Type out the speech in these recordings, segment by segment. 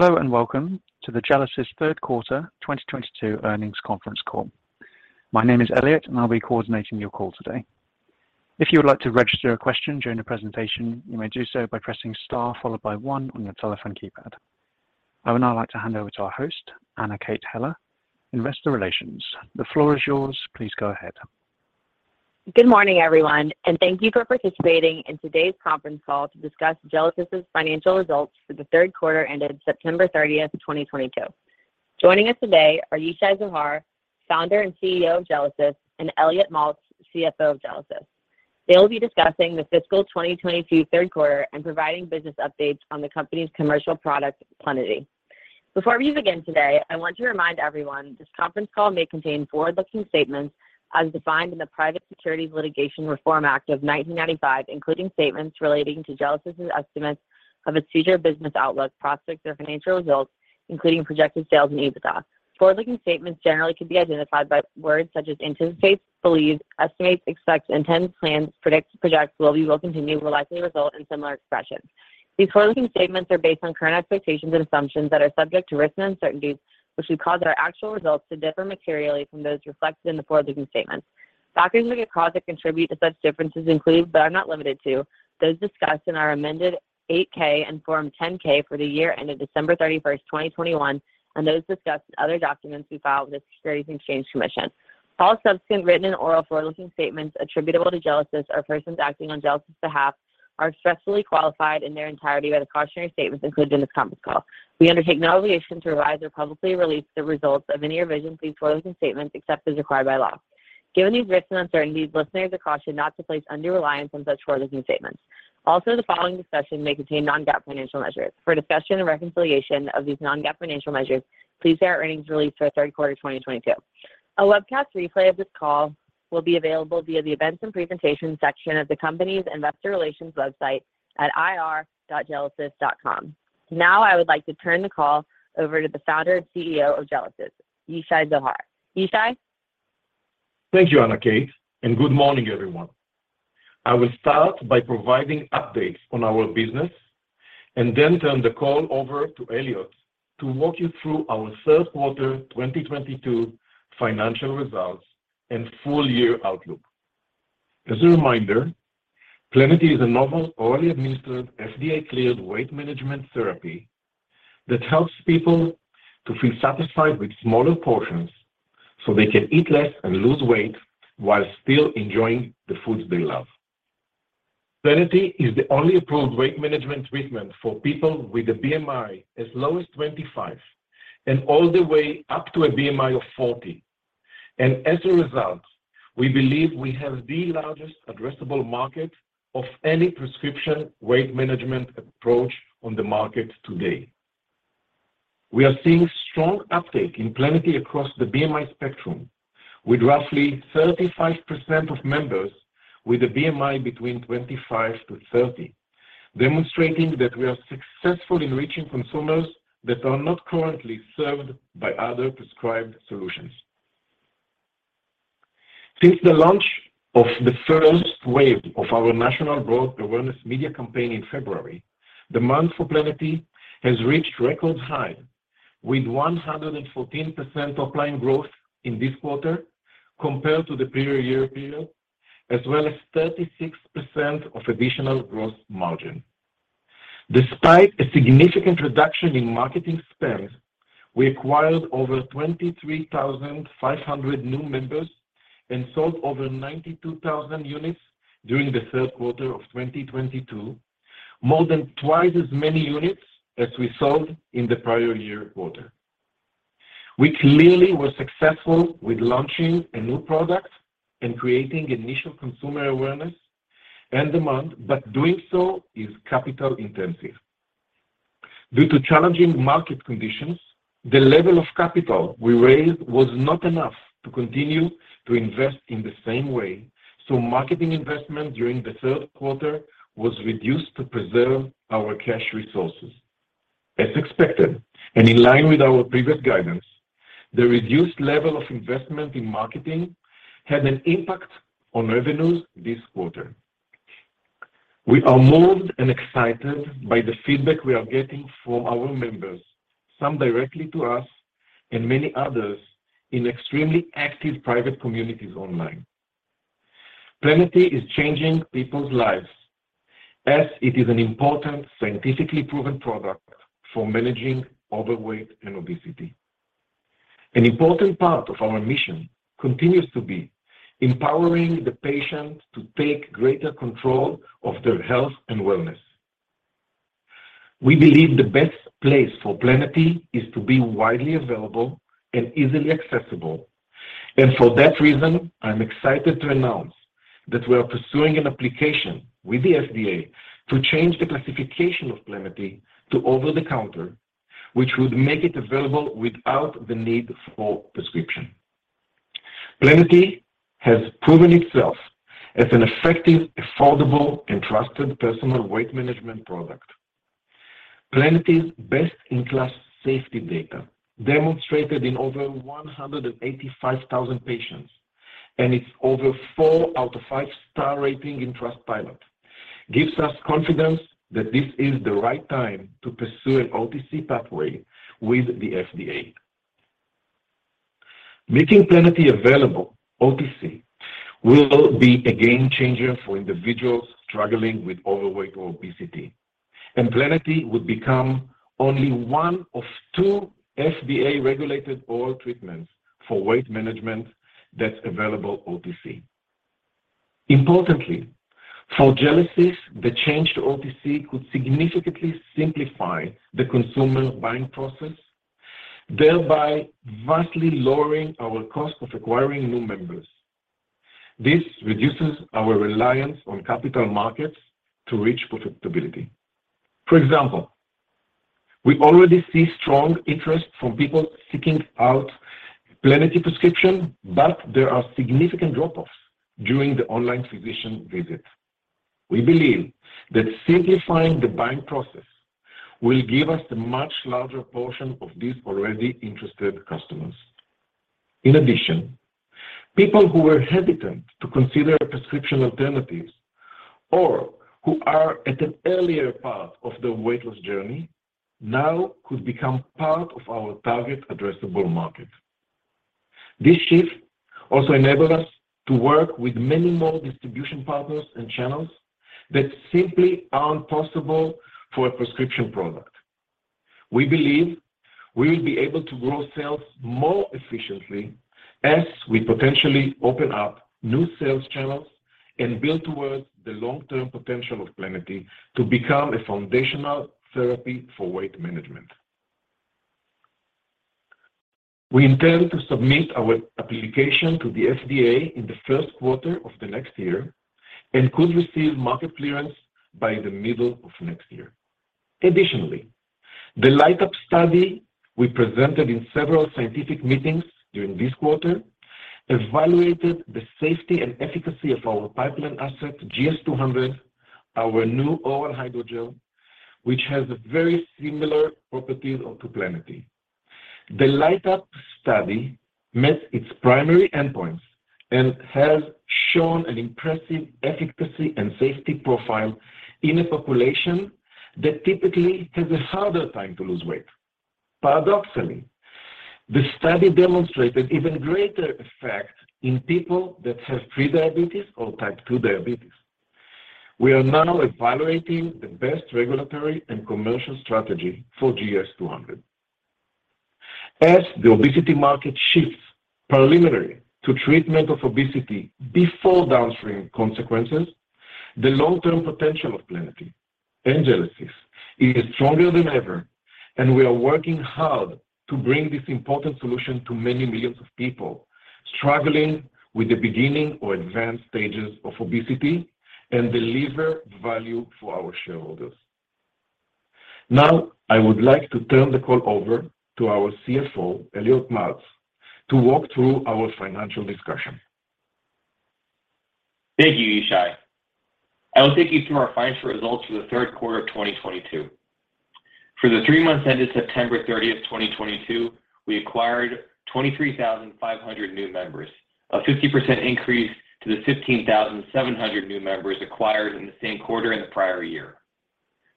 Hello and welcome to the Gelesis Third Quarter 2022 Earnings Conference Call. My name is Elliot, and I'll be coordinating your call today. If you would like to register a question during the presentation, you may do so by pressing Star followed by one on your telephone keypad. I would now like to hand over to our host, Anna Kate Heller, Investor Relations. The floor is yours. Please go ahead. Good morning, everyone, and thank you for participating in today's conference call to discuss Gelesis' financial results for the third quarter ended September 30th, 2022. Joining us today are Yishai Zohar, Founder and CEO of Gelesis, and Elliot Maltz, CFO of Gelesis. They will be discussing the fiscal 2022 third quarter and providing business updates on the company's commercial product, Plenity. Before we begin today, I want to remind everyone this conference call may contain forward-looking statements as defined in the Private Securities Litigation Reform Act of 1995, including statements relating to Gelesis' estimates of its future business outlook, prospects, or financial results, including projected sales and EBITDA. Forward-looking statements generally can be identified by words such as anticipates, believes, estimates, expects, intends, plans, predicts, projects, will, we will, continue, will likely result, and similar expressions. These forward-looking statements are based on current expectations and assumptions that are subject to risks and uncertainties which could cause our actual results to differ materially from those reflected in the forward-looking statements. Factors that could cause or contribute to such differences include, but are not limited to, those discussed in our amended 8-K and Form 10-K for the year ended December 31st, 2021, and those discussed in other documents we filed with the Securities and Exchange Commission. All subsequent written and oral forward-looking statements attributable to Gelesis or persons acting on Gelesis' behalf are expressly qualified in their entirety by the cautionary statements included in this conference call. We undertake no obligation to revise or publicly release the results of any revision to these forward-looking statements except as required by law. Given these risks and uncertainties, listeners are cautioned not to place undue reliance on such forward-looking statements. Also, the following discussion may contain non-GAAP financial measures. For a discussion and reconciliation of these non-GAAP financial measures, please see our earnings release for third quarter 2022. A webcast replay of this call will be available via the Events and Presentations section of the company's Investor Relations website at ir.gelesis.com. Now, I would like to turn the call over to the founder and CEO of Gelesis, Yishai Zohar. Yishai? Thank you, Anna Kate, and good morning, everyone. I will start by providing updates on our business and then turn the call over to Elliot to walk you through our third quarter 2022 financial results and full year outlook. As a reminder, Plenity is a novel, orally administered, FDA-cleared weight management therapy that helps people to feel satisfied with smaller portions so they can eat less and lose weight while still enjoying the foods they love. Plenity is the only approved weight management treatment for people with a BMI as low as 25 and all the way up to a BMI of 40. As a result, we believe we have the largest addressable market of any prescription weight management approach on the market today. We are seeing strong uptake in Plenity across the BMI spectrum, with roughly 35% of members with a BMI between 25-30, demonstrating that we are successful in reaching consumers that are not currently served by other prescribed solutions. Since the launch of the first wave of our national broad awareness media campaign in February, demand for Plenity has reached record high with 114% top-line growth in this quarter compared to the prior year period, as well as 36% of additional gross margin. Despite a significant reduction in marketing spend, we acquired over 23,500 new members and sold over 92,000 units during the third quarter of 2022, more than twice as many units as we sold in the prior year quarter. We clearly were successful with launching a new product and creating initial consumer awareness and demand, but doing so is capital intensive. Due to challenging market conditions, the level of capital we raised was not enough to continue to invest in the same way, so marketing investment during the third quarter was reduced to preserve our cash resources. As expected, and in line with our previous guidance, the reduced level of investment in marketing had an impact on revenues this quarter. We are moved and excited by the feedback we are getting from our members, some directly to us and many others in extremely active private communities online. Plenity is changing people's lives as it is an important, scientifically proven product for managing overweight and obesity. An important part of our mission continues to be empowering the patient to take greater control of their health and wellness. We believe the best place for Plenity is to be widely available and easily accessible. For that reason, I'm excited to announce that we are pursuing an application with the FDA to change the classification of Plenity to over-the-counter, which would make it available without the need for prescription. Plenity has proven itself as an effective, affordable, and trusted personal weight management product. Plenity's best-in-class safety data demonstrated in over 185,000 patients. Its over four out of five star rating in Trustpilot gives us confidence that this is the right time to pursue an OTC pathway with the FDA. Making Plenity available OTC will be a game-changer for individuals struggling with overweight or obesity. Plenity would become only one of two FDA-regulated oral treatments for weight management that's available OTC. Importantly, for Gelesis, the change to OTC could significantly simplify the consumer buying process, thereby vastly lowering our cost of acquiring new members. This reduces our reliance on capital markets to reach profitability. For example, we already see strong interest from people seeking out Plenity prescription, but there are significant drop-offs during the online physician visit. We believe that simplifying the buying process will give us a much larger portion of these already interested customers. In addition, people who were hesitant to consider prescription alternatives or who are at an earlier part of their weight loss journey now could become part of our target addressable market. This shift also enabled us to work with many more distribution partners and channels that simply aren't possible for a prescription product. We believe we will be able to grow sales more efficiently as we potentially open up new sales channels and build towards the long-term potential of Plenity to become a foundational therapy for weight management. We intend to submit our application to the FDA in the first quarter of the next year and could receive market clearance by the middle of next year. Additionally, the LIGHT-UP study we presented in several scientific meetings during this quarter evaluated the safety and efficacy of our pipeline asset, GS200, our new oral hydrogel, which has very similar properties to Plenity. The LIGHT-UP study met its primary endpoints and has shown an impressive efficacy and safety profile in a population that typically has a harder time to lose weight. Paradoxically, the study demonstrated even greater effect in people that have pre-diabetes or Type 2 diabetes. We are now evaluating the best regulatory and commercial strategy for GS200. As the obesity market shifts preliminary to treatment of obesity before downstream consequences, the long-term potential of Plenity and Gelesis is stronger than ever, and we are working hard to bring this important solution to many millions of people struggling with the beginning or advanced stages of obesity and deliver value for our shareholders. Now, I would like to turn the call over to our CFO, Elliot Maltz, to walk through our financial discussion. Thank you, Yishai. I will take you through our financial results for the third quarter of 2022. For the three months ended September 30th, 2022, we acquired 23,500 new members, a 50% increase to the 15,700 new members acquired in the same quarter in the prior year.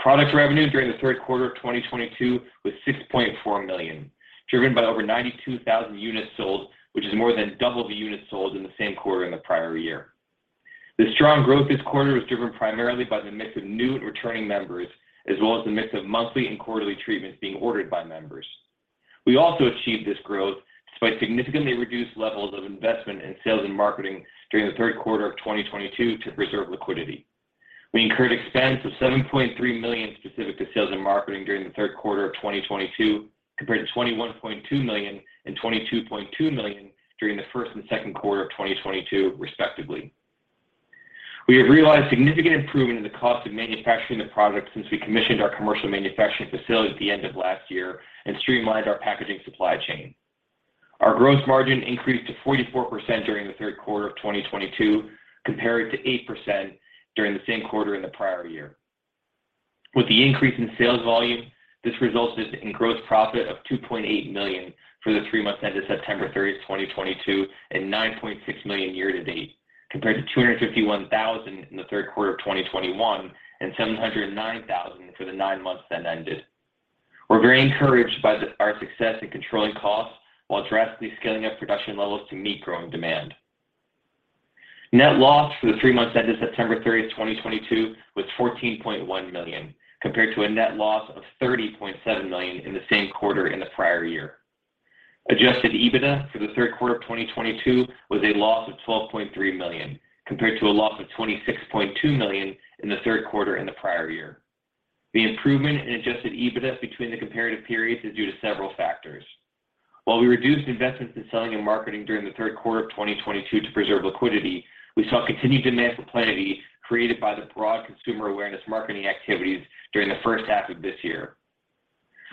Product revenue during the third quarter of 2022 was $6.4 million, driven by over 92,000 units sold, which is more than double the units sold in the same quarter in the prior year. The strong growth this quarter was driven primarily by the mix of new and returning members, as well as the mix of monthly and quarterly treatments being ordered by members. We also achieved this growth despite significantly reduced levels of investment in sales and marketing during the third quarter of 2022 to preserve liquidity. We incurred expense of $7.3 million specific to sales and marketing during the third quarter of 2022, compared to $21.2 million and $22.2 million during the first and second quarter of 2022 respectively. We have realized significant improvement in the cost of manufacturing the product since we commissioned our commercial manufacturing facility at the end of last year and streamlined our packaging supply chain. Our gross margin increased to 44% during the third quarter of 2022, compared to 8% during the same quarter in the prior year. With the increase in sales volume, this resulted in gross profit of $2.8 million for the three months ended September 30th, 2022, and $9.6 million year-to-date, compared to $251,000 in the third quarter of 2021 and $709,000 for the nine months then ended. We're very encouraged by our success in controlling costs while drastically scaling up production levels to meet growing demand. Net loss for the three months ended September 30th, 2022 was $14.1 million, compared to a net loss of $30.7 million in the same quarter in the prior year. Adjusted EBITDA for the third quarter of 2022 was a loss of $12.3 million, compared to a loss of $26.2 million in the third quarter in the prior year. The improvement in Adjusted EBITDA between the comparative periods is due to several factors. While we reduced investments in selling and marketing during the third quarter of 2022 to preserve liquidity, we saw continued demand for Plenity created by the broad consumer awareness marketing activities during the first half of this year.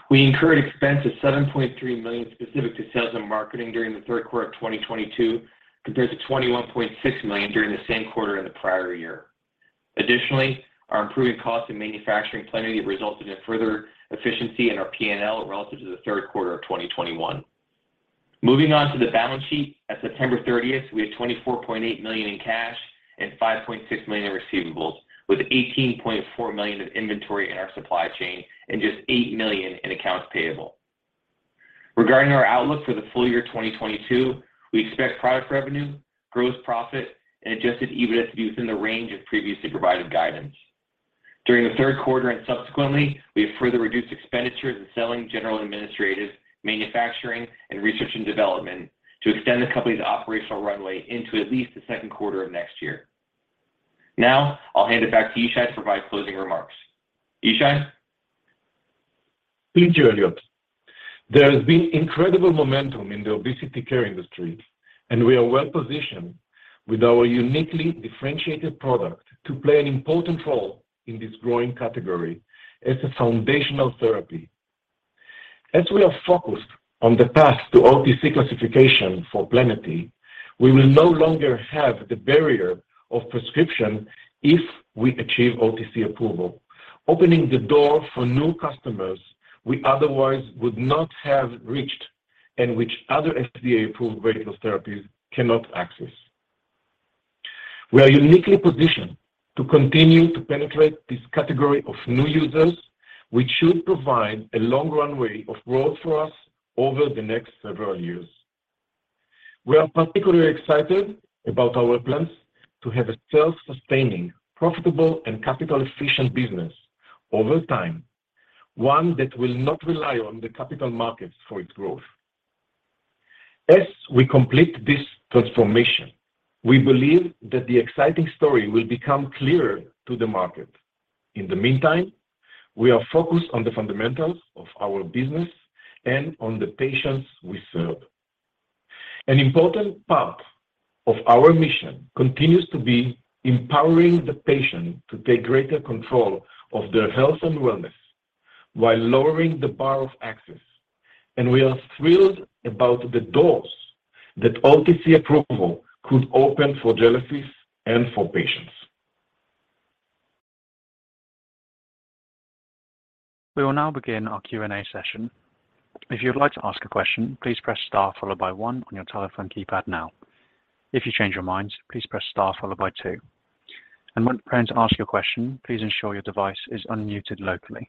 We incurred expense of $7.3 million specific to sales and marketing during the third quarter of 2022, compared to $21.6 million during the same quarter in the prior year. Additionally, our improving costs of manufacturing Plenity have resulted in further efficiency in our P&L relative to the third quarter of 2021. Moving on to the balance sheet, at September 30th, we had $24.8 million in cash and $5.6 million in receivables, with $18.4 million of inventory in our supply chain and just $8 million in accounts payable. Regarding our outlook for the full year 2022, we expect product revenue, gross profit, and Adjusted EBITDA to be within the range of previously provided guidance. During the third quarter and subsequently, we have further reduced expenditures in selling, general and administrative, manufacturing, and research and development to extend the company's operational runway into at least the second quarter of next year. Now, I'll hand it back to Yishai to provide closing remarks. Yishai? Thank you, Elliot. There has been incredible momentum in the obesity care industry, and we are well-positioned with our uniquely differentiated product to play an important role in this growing category as a foundational therapy. As we are focused on the path to OTC classification for Plenity, we will no longer have the barrier of prescription if we achieve OTC approval, opening the door for new customers we otherwise would not have reached and which other FDA-approved weight loss therapies cannot access. We are uniquely positioned to continue to penetrate this category of new users, which should provide a long runway of growth for us over the next several years. We are particularly excited about our plans to have a self-sustaining, profitable, and capital-efficient business over time, one that will not rely on the capital markets for its growth. As we complete this transformation, we believe that the exciting story will become clearer to the market. In the meantime, we are focused on the fundamentals of our business and on the patients we serve. An important part of our mission continues to be empowering the patient to take greater control of their health and wellness while lowering the bar of access. We are thrilled about the doors that OTC approval could open for Gelesis and for patients. We will now begin our Q&A session. If you would like to ask a question, please press star followed by one on your telephone keypad now. If you change your mind, please press star followed by two. When preparing to ask your question, please ensure your device is unmuted locally.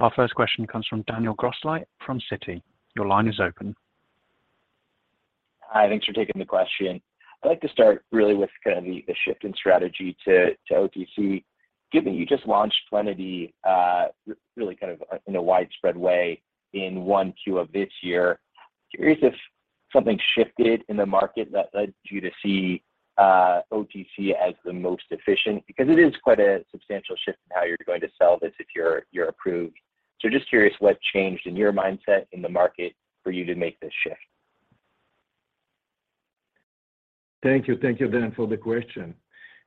Our first question comes from Daniel Grosslight from Citi. Your line is open. Hi, thanks for taking the question. I'd like to start really with kind of the shift in strategy to OTC. Given you just launched Plenity really kind of in a widespread way in 1Q of this year, curious if something shifted in the market that led you to see OTC as the most efficient, because it is quite a substantial shift in how you're going to sell this if you're approved. Just curious what changed in your mindset in the market for you to make this shift. Thank you. Thank you, Dan, for the question.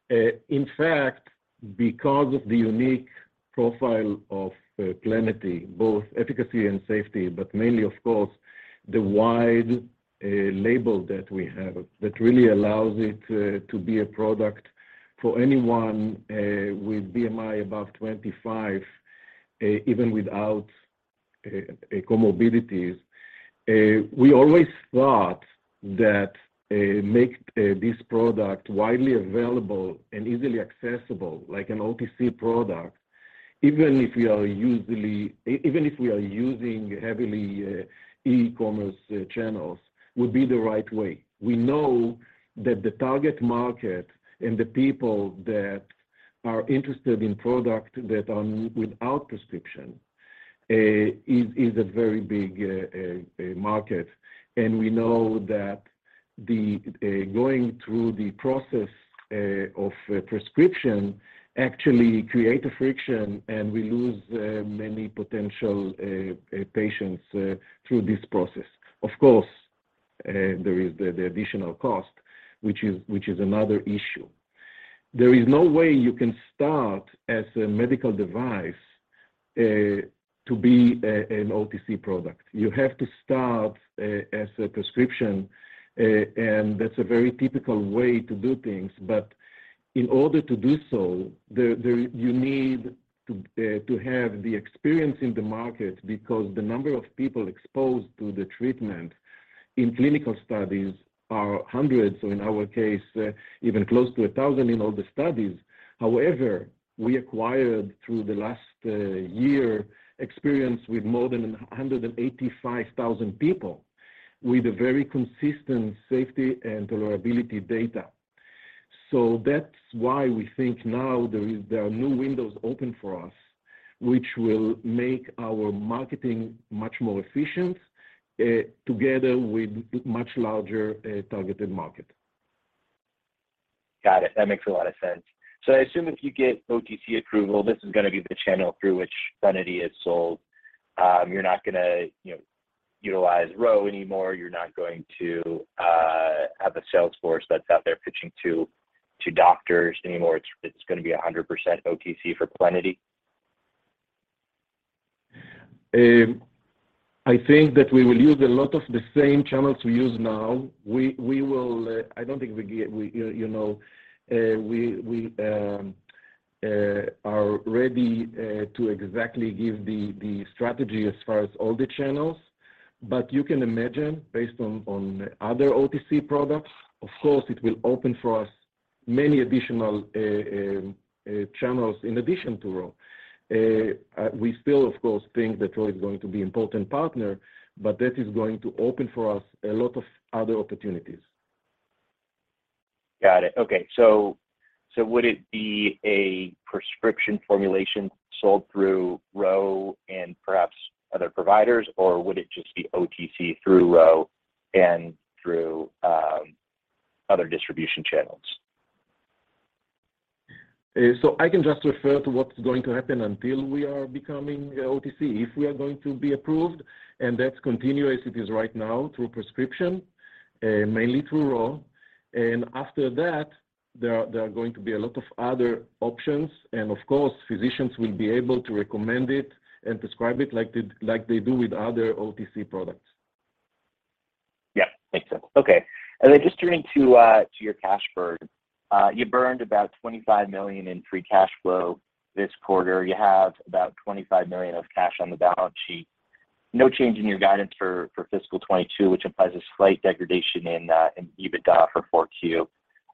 In fact, because of the unique profile of Plenity, both efficacy and safety, but mainly, of course, the wide label that we have that really allows it to be a product for anyone with BMI above 25, even without comorbidities. We always thought that make this product widely available and easily accessible like an OTC product, even if we are using heavily e-commerce channels, would be the right way. We know that the target market and the people that are interested in product that are without prescription is a very big market. We know that going through the process of prescription actually create a friction, and we lose many potential patients through this process. Of course, there is the additional cost, which is another issue. There is no way you can start as a medical device to be an OTC product. You have to start as a prescription and that's a very typical way to do things. In order to do so, you need to have the experience in the market because the number of people exposed to the treatment in clinical studies are hundreds, or in our case, even close to 1,000 in all the studies. However, we acquired through the last year experience with more than 185,000 people with a very consistent safety and tolerability data. That's why we think now there are new windows open for us, which will make our marketing much more efficient, together with much larger targeted market. Got it. That makes a lot of sense. I assume if you get OTC approval, this is gonna be the channel through which Plenity is sold. You're not gonna, you know, utilize Ro anymore. You're not going to have a sales force that's out there pitching to doctors anymore. It's gonna be 100% OTC for Plenity? I think that we will use a lot of the same channels we use now. I don't think we, you know, are ready to exactly give the strategy as far as all the channels, but you can imagine based on other OTC products, of course, it will open for us many additional channels in addition to Ro. We still, of course, think that Ro is going to be important partner, but that is going to open for us a lot of other opportunities. Got it. Okay. Would it be a prescription formulation sold through Ro and perhaps other providers, or would it just be OTC through Ro and through other distribution channels? I can just refer to what's going to happen until we are becoming OTC. If we are going to be approved, and that continue as it is right now through prescription, mainly through Ro. After that, there are going to be a lot of other options. Of course, physicians will be able to recommend it and prescribe it like they do with other OTC products. Yeah. Makes sense. Okay. Then just turning to your cash burn. You burned about $25 million in free cash flow this quarter. You have about $25 million of cash on the balance sheet. No change in your guidance for fiscal 2022, which implies a slight degradation in EBITDA for 4Q.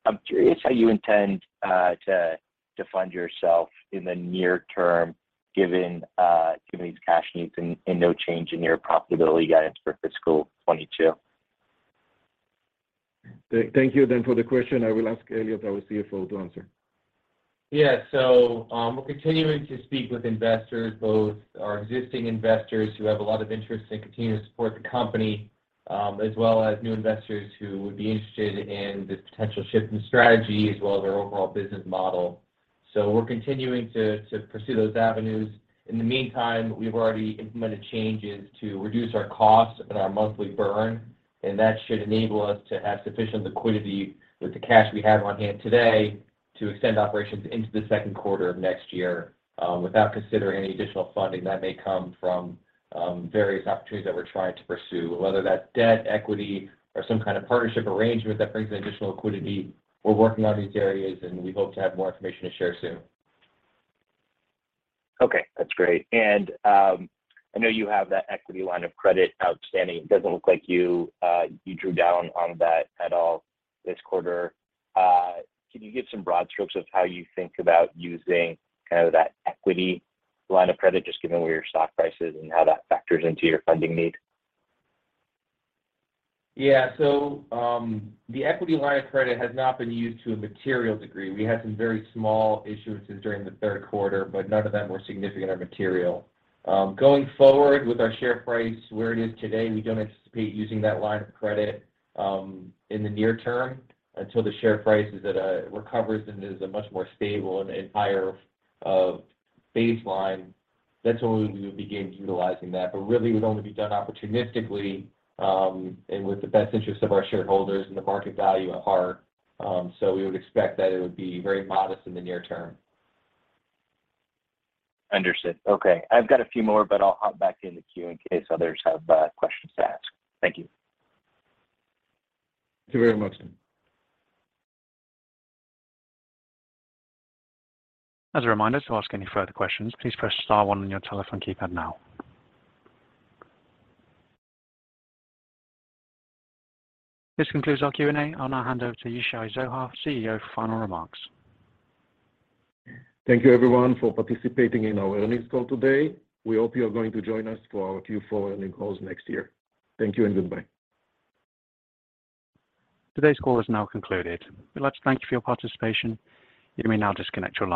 I'm curious how you intend to fund yourself in the near term, given these cash needs and no change in your profitability guidance for fiscal 2022. Thank you for the question. I will ask Elliot, our CFO, to answer. Yeah. We're continuing to speak with investors, both our existing investors who have a lot of interest and continue to support the company, as well as new investors who would be interested in this potential shift in strategy as well as our overall business model. We're continuing to pursue those avenues. In the meantime, we've already implemented changes to reduce our costs and our monthly burn, and that should enable us to have sufficient liquidity with the cash we have on hand today to extend operations into the second quarter of next year, without considering any additional funding that may come from various opportunities that we're trying to pursue, whether that's debt, equity, or some kind of partnership arrangement that brings in additional liquidity. We're working on these areas, and we hope to have more information to share soon. Okay, that's great. I know you have that equity line of credit outstanding. It doesn't look like you drew down on that at all this quarter. Can you give some broad strokes of how you think about using kind of that equity line of credit, just given where your stock price is and how that factors into your funding needs? Yeah. The equity line of credit has not been used to a material degree. We had some very small issuances during the third quarter, but none of them were significant or material. Going forward with our share price where it is today, we don't anticipate using that line of credit in the near term until the share price recovers and is a much more stable and higher baseline. That's when we would begin utilizing that. Really, it would only be done opportunistically and with the best interest of our shareholders and the market value at heart. We would expect that it would be very modest in the near term. Understood. Okay. I've got a few more, but I'll hop back in the queue in case others have questions to ask. Thank you. Thank you very much. As a reminder, to ask any further questions, please press star one on your telephone keypad now. This concludes our Q&A. I'll now hand over to Yishai Zohar, CEO, for final remarks. Thank you everyone for participating in our earnings call today. We hope you are going to join us for our Q4 earnings calls next year. Thank you and goodbye. Today's call is now concluded. We'd like to thank you for your participation. You may now disconnect your line.